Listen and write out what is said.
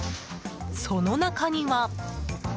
その中には。